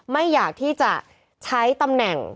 ไม่อยากที่จะใช้ตำแหน่ง